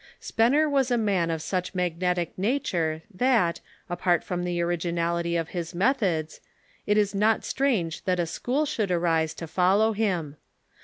Spener was a man of such magnetic nature that, apart from the originality of his methods, it is not strange that a school should arise to follow him.